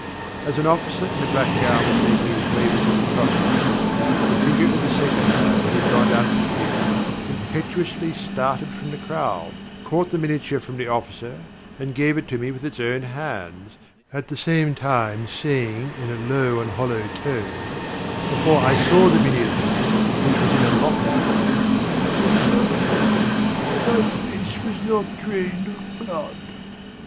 As an officer in a black gown was making his way with it across to me, the figure of the second man who had gone down Piccadilly, impetuously started from the crowd, caught the miniature from the officer, and gave it to me with its own hands, at the same time saying in a low and hollow tone before I saw the miniature, which was in a locket 'I was younger then, and my face was not then drained of blood.'